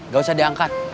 gak usah diangkat